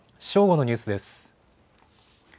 正午のニュースです。